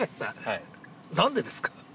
◆なんでですか？